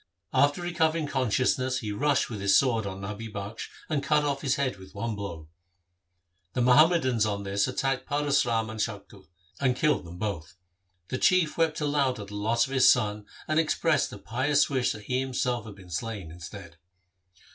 After recovering consciousness he rushed with his sword on Nabi Bakhsh, and cut off his head with one blow. The Muhammadans on this attacked Paras Ram and Shaktu, and killed them both. The Chief wept aloud at the loss of his son, and expressed a pious wish that he himself had been slain instead.